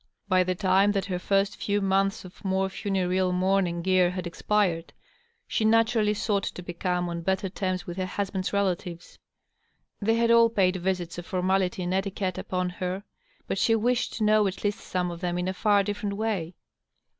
By the time that her first few months of more funereal mourning gear had expired, she naturally sought to become on better terms with her husband's relatives. They had all paid visits of formality and etiquette upon her, but she wished to know at least some of them in a far different way.